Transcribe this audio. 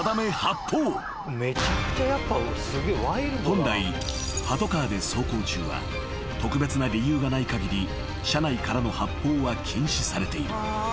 ［本来パトカーで走行中は特別な理由がないかぎり車内からの発砲は禁止されている］